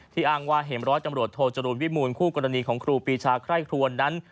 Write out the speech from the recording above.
อ้างว่าเห็นร้อยตำรวจโทจรูลวิมูลคู่กรณีของครูปีชาไคร่ครวนนั้น